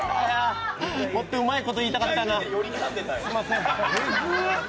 もっとうまいこと言いたかったな、すいません。